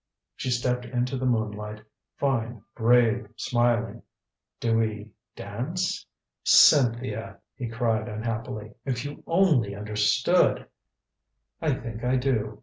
She stepped into the moonlight, fine, brave, smiling. "Do we dance?" "Cynthia!" he cried unhappily. "If you only understood " "I think I do.